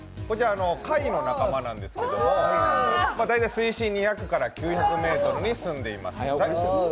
貝の仲間なんですけど、水深２００から９００ｍに住んでいます。